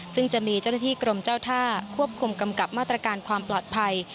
ซึ่งจะมีเจ้าหน้าที่กรมเจ้าท่าควบคุมกำกับมาตรการความปลอดภัย